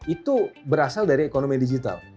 itu berasal dari ekonomi digital